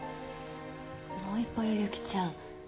もう一歩よ由岐ちゃん。